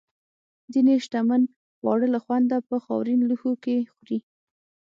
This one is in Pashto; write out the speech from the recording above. ځینې شتمن خواړه له خونده په خاورین لوښو کې خوري.